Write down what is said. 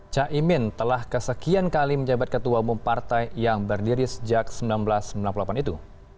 caimin telah kesekian kali menjabat ketua umum partai yang berdiri sejak seribu sembilan ratus sembilan puluh delapan itu